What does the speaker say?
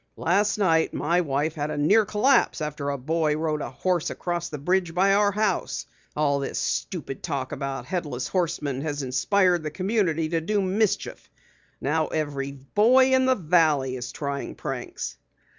Last night my wife had a near collapse after a boy rode a horse across the bridge by our house. All this stupid talk about Headless Horsemen has inspired the community to do mischief. Now every boy in the Valley is trying pranks."